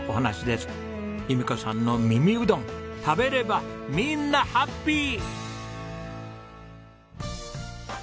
由美子さんの耳うどん食べればみんなハッピー！